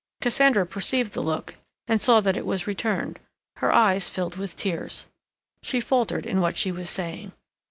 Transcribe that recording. Cassandra perceived the look, and saw that it was returned; her eyes filled with tears. She faltered in what she was saying.